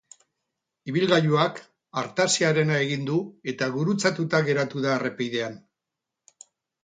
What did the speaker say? Ibilgailuak artaziarena egin du eta gurutzatuta geratu da errepidean.